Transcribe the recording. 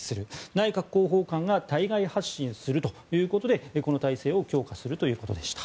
内閣広報官が対外発信するということでこの体制を強化するということでした。